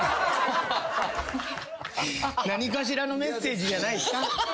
何かしらのメッセージじゃないですか？